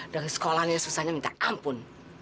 dari sekolahnya susahnya minta ampun